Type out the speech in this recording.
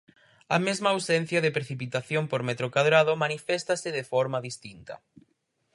A mesma ausencia de precipitación por metro cadrado maniféstase de forma distinta.